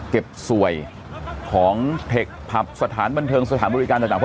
เก็บสวยของเทคผับสถานบันเทิงสถานบริการต่าง